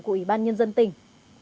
của ủy ban nhân dân tỉnh